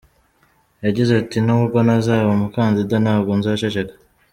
Yagize ati” nubwo ntazaba umukandida, ntabwo nzaceceka.